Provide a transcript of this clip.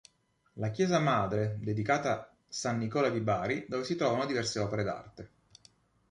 La Chiesa Madre, dedicata San Nicola di Bari, dove si trovano diverse opere d'arte.